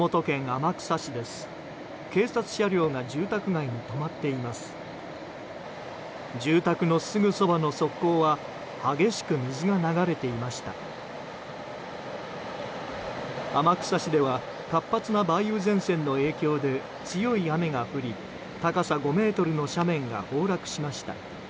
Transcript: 天草市では活発な梅雨前線の影響で強い雨が降り、高さ５ｍの斜面が崩落しました。